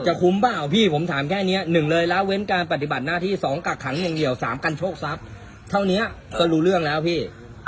คุ้มเปล่าพี่ผมถามแค่นี้๑เลยละเว้นการปฏิบัติหน้าที่๒กักขังอย่างเดียว๓กันโชคทรัพย์เท่านี้ก็รู้เรื่องแล้วพี่